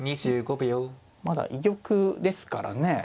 まだ居玉ですからね。